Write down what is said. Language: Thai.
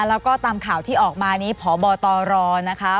แล้วก็ตามข่าวที่ออกมานี้พบตรนะคะ